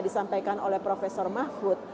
disampaikan oleh profesor mahfud